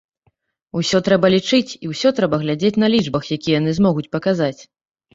Усё трэба лічыць і ўсё трэба глядзець на лічбах, якія яны змогуць паказаць.